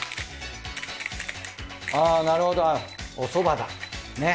あぁなるほどおそばだねっ。